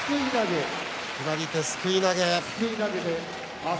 決まり手は、すくい投げ。